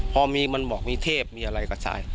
พอมีมันบอกมีเทพมีอะไรกระชาย